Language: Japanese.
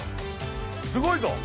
すごいぞ！